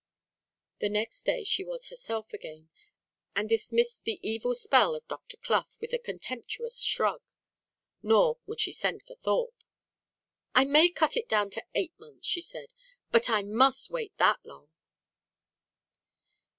And the next day she was herself again, and dismissed the evil spell of Dr. Clough with a contemptuous shrug. Nor would she send for Thorpe. "I may cut it down to eight months," she said. "But I must wait that long."